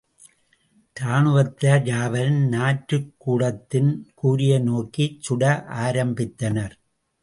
ராணுவத்தார் யாவரும் நாற்றுக் கூடத்தின் கூரையை நோக்கிச்சுட ஆரம்பித்தனர்.